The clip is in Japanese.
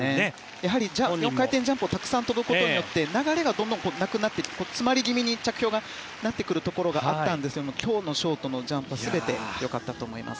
やはり４回転ジャンプをたくさん跳ぶことによって流れがどんどんなくなってきて着氷が詰まり気味になるところがあったんですが今日のショートのジャンプは全て良かったと思います。